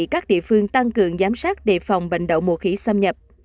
các địa phương tăng cường giám sát đề phòng bệnh đậu mùa khỉ xâm nhập